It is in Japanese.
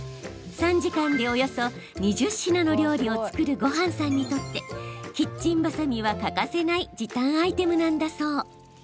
３時間でおよそ２０品の料理を作る、ごはんさんにとってキッチンバサミは欠かせない時短アイテムなんだそう。